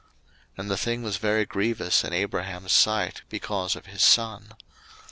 01:021:011 And the thing was very grievous in Abraham's sight because of his son.